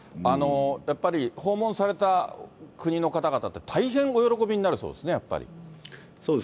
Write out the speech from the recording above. やっぱり訪問された国の方々って、大変お喜びになるそうですそうです。